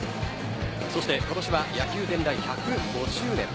そして今年は野球伝来１５０年。